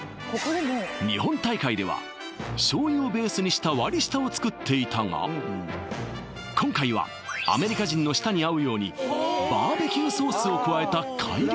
日本大会では醤油をベースにした割り下を作っていたが今回はアメリカ人の舌に合うようにバーベキューソースを加えた改良